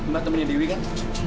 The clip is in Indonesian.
mbak temenin dewi kan